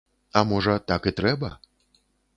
А можа, так і трэба?